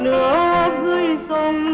nước dưới sông